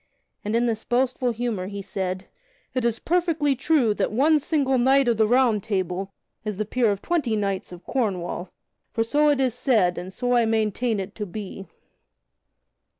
And in this boastful humor he said: "It is perfectly true that one single knight of the Round Table is the peer of twenty knights of Cornwall, for so it is said and so I maintain it to be."